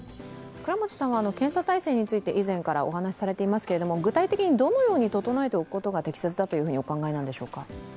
倉持さんは検査態勢について以前からお話しされていますけど具体的にどのように整えておくことが適切だとお考えでしょうか。